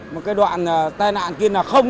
một cái đoạn tai nạn kia là không